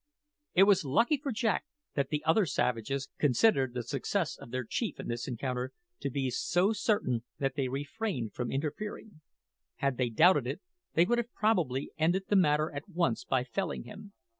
It was lucky for Jack that the other savages considered the success of their chief in this encounter to be so certain that they refrained from interfering. Had they doubted it, they would have probably ended the matter at once by felling him.